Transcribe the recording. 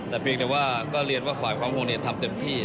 แต่เพียงแต่ว่าก็เรียนว่าฝ่ายความคงทำเต็มที่